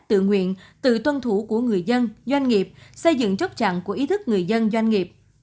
tự nguyện tự tuân thủ của người dân doanh nghiệp xây dựng chốt chặn của ý thức người dân doanh nghiệp